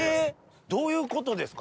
どういうことですか？